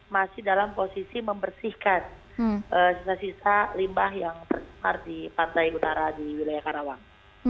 masih dalam posisi membersihkan sisa sisa limbah yang tersebar di pantai utara di wilayah karawang